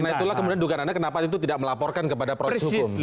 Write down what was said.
karena itulah kemudian dukan anda kenapa itu tidak melaporkan kepada proyek hukum